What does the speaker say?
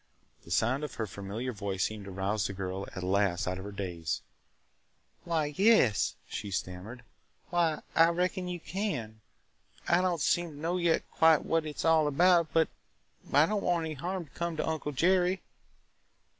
The sound of her familiar voice seemed to rouse the girl at last out of her daze. "Why – yes!" she stammered. "Why – I reckon you can. I – I don't seem to know yet quite what it is all about, but – but I don't want any harm to come to Uncle Jerry!"